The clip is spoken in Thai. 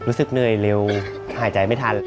รู้สึกเหนื่อยเร็วหายใจไม่ทัน